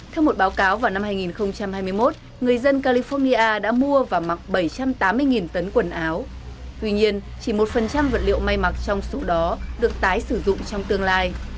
theo một báo cáo vào năm hai nghìn hai mươi một người dân california đã mua và mặc bảy trăm tám mươi tấn quần áo tuy nhiên chỉ một vật liệu may mặc trong số đó được tái sử dụng trong tương lai